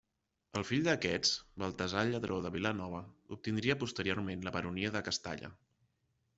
El fill d'aquests, Baltasar Lladró de Vilanova, obtindria posteriorment la baronia de Castalla.